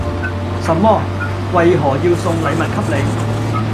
什麼？為何要送禮物給你？